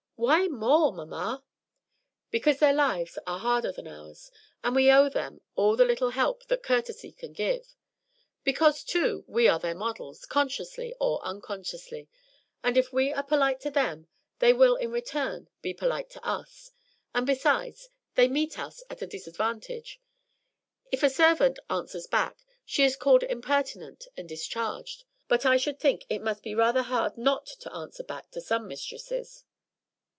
"Why more, mamma?" "Because their lives are harder than ours, and we owe them all the little help that courtesy can give. Because, too, we are their models, consciously or unconsciously, and if we are polite to them they will in return be polite to us. And besides, they meet us at a disadvantage. If a servant 'answers back,' she is called impertinent and discharged; but I should think it must be rather hard not to answer back to some mistresses."